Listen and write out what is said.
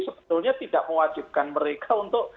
sebetulnya tidak mewajibkan mereka untuk